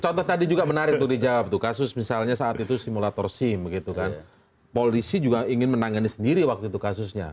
contoh tadi juga menarik untuk dijawab tuh kasus misalnya saat itu simulator sim gitu kan polisi juga ingin menangani sendiri waktu itu kasusnya